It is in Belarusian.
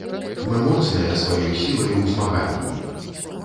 Мы моцныя сваёй сілай у змаганні!